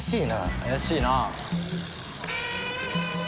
怪しいな。